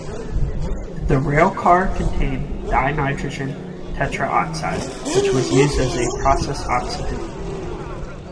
The railcar contained dinitrogen tetroxide which was used as a process oxidant.